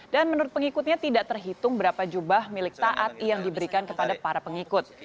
dan menurut pengikutnya tidak terhitung berapa jubah milik taat yang diberikan kepada para pengikut